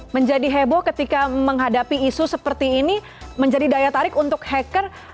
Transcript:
menjadi heboh ketika menghadapi isu seperti ini menjadi daya tarik untuk hacker